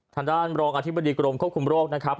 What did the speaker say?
ทางด้านรองอธิบดีกรมควบคุมโรคนะครับ